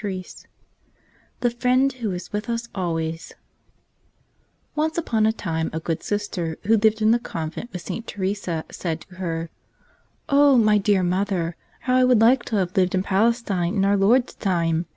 109 Cl )t jFrfenD OJfjo Is CfiJftft aitoaps ONCE upon a time a good Sister who lived in the convent with St. Teresa said to her, "Oh. my dear mother, how I would liked to have lived in Palestine in Our Lord's time